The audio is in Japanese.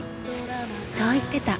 そう言ってた。